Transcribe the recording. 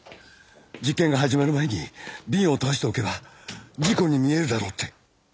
実験が始まる前に瓶を倒しておけば事故に見えるだろうって。